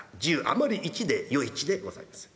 １０余り１で与一でございます。